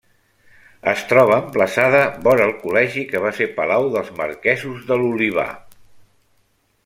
Es troba emplaçada vora el Col·legi que va ser palau dels marquesos de l'Olivar.